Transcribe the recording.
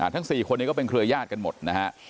ทั้ง๔คนนี้ก็เป็นเครือญาติกันหมดนะฮะ